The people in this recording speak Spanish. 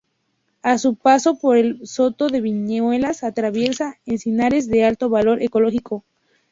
A su paso por el Soto de Viñuelas, atraviesa encinares de alto valor ecológico.